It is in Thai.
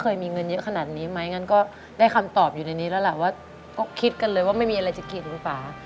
ตอนนี้ก็เอาได้แหละค่ะ